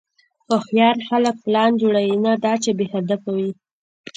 هوښیار خلک پلان جوړوي، نه دا چې بېهدفه وي.